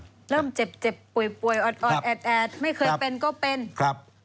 เริ่มเจ็บป่วยอดแอดไม่เคยเป็นก็เป็น